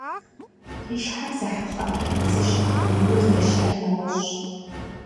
И щхьэр зэхьэлӀар - зыщ, и гур здэщыӀэр нэгъуэщӀщ.